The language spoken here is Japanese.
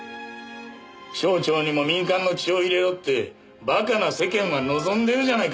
省庁にも民間の血を入れろってバカな世間は望んでるじゃないか。